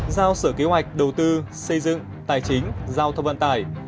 giao sở kế hoạch đầu tư xây dựng tài chính giao thông vận tải